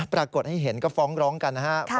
ปรากฏให้เห็นก็ฟ้องร้องกันนะครับ